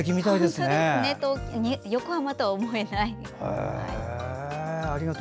横浜とは思えない。